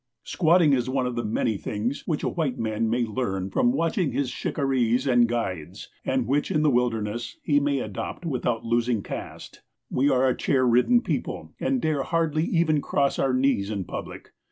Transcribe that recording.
Squatting is one of the many things which a white man may learn from watching his shikarees and guides, and which, in the wilderness, he may adopt without losing caste. We are a chair ridden people, and dare hardly even cross our knees in public.